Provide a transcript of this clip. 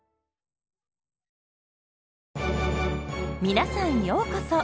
皆さんようこそ！